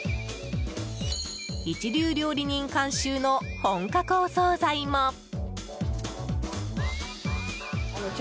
一流料理人監修の本格お総菜も。